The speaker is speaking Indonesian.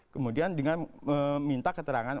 kemudian dengan meminta keterangan